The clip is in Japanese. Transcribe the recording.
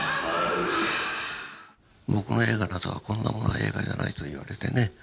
僕の映画なぞはこんなもの映画じゃないと言われてね